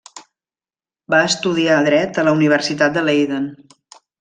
Va estudiar Dret a la Universitat de Leiden.